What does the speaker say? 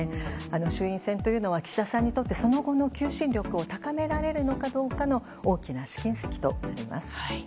衆院選というのは岸田さんにとってその後の求心力を高められるかどうかの大きな試金石と言います。